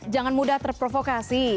jangan mudah terprovokasi